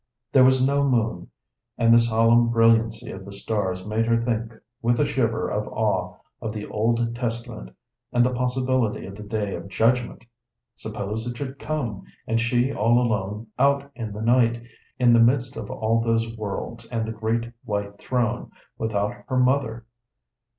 There was no moon, and the solemn brilliancy of the stars made her think with a shiver of awe of the Old Testament and the possibility of the Day of Judgment. Suppose it should come, and she all alone out in the night, in the midst of all those worlds and the great White Throne, without her mother?